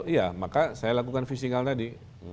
iya maka saya lakukan fisikal tadi